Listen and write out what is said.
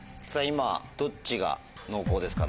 今どっちが濃厚ですかね？